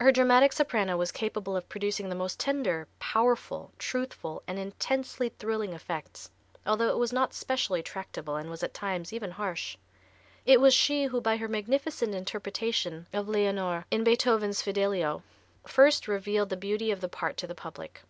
Her dramatic soprano was capable of producing the most tender, powerful, truthful and intensely thrilling effects, although it was not specially tractable and was at times even harsh. It was she who by her magnificent interpretation of Leonore, in Beethoven's "Fidelio," first revealed the beauty of the part to the public.